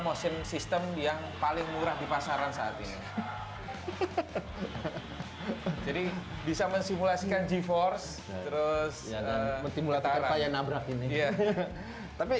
motion system yang paling murah di pasaran saat ini jadi ini adalah kebetulan ini yang kami pakai sekarang itu adalah motion system yang paling murah di pasaran saat ini yang paling murah di pasaran saat ini